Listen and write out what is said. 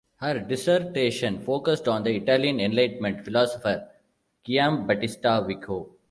Her dissertation focused on the Italian enlightenment philosopher Giambattista Vico.